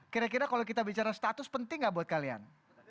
kira kira kalau kita bicara status penting gak buat kalian